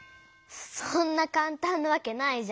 そんなかんたんなわけないじゃん。